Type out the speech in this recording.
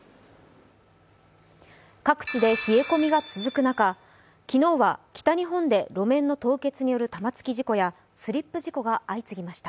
各地で冷え込みが続く中、昨日は北日本で路面の凍結による玉突き事故やスリップ事故が相次ぎました。